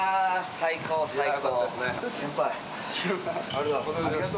最高、最高。